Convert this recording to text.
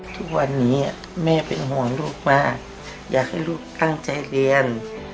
ทุกวันนี้แม่เป็นห่วงลูกมากอยากให้ลูกตั้งใจเรียน